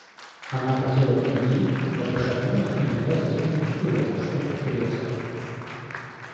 Она хотела уйти, но пошатнулась и взялась за спинку стула, чтоб опереться.